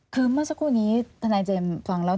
คือเมื่อสักครู่นี้ทนายเจมส์ฟังแล้ว